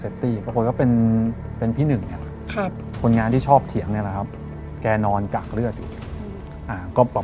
มีคนงานแจ้งมา